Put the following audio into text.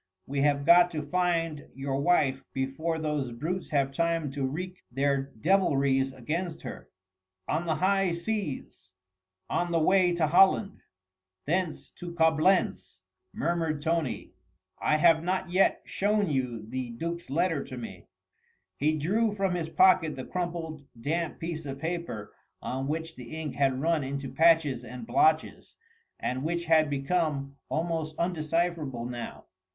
We have got to find your wife before those brutes have time to wreak their devilries against her." "On the high seas ... on the way to Holland ... thence to Coblentz ..." murmured Tony, "I have not yet shown you the duc's letter to me." He drew from his pocket the crumpled, damp piece of paper on which the ink had run into patches and blotches, and which had become almost undecipherable now.